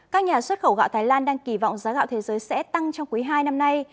các nhà xuất khẩu gạo thái lan đang kỳ vọng giá gạo thế giới sẽ tăng trong quý hai năm nay